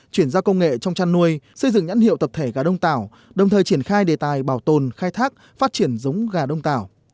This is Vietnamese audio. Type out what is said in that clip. chuyển giao công nghệ trong chăn nuôi xây dựng nhãn hiệu tập thể gà đông tảo đồng thời triển khai đề tài bảo tồn khai thác phát triển giống gà đông tảo